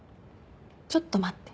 ちょっと待って。